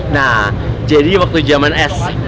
nah jadi waktu jaman s